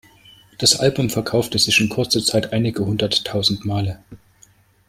Das Album verkaufte sich in kurzer Zeit einige hunderttausend Male.